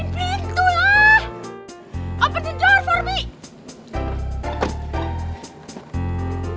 percayain sama aku